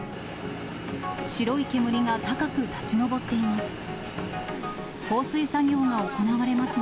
白い煙が高く立ち上っています。